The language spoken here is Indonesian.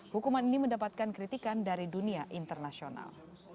hukuman ini mendapatkan kritikan dari dunia internasional